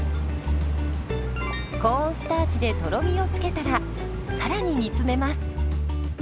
コーンスターチでとろみを付けたらさらに煮詰めます。